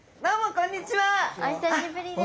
お久しぶりです。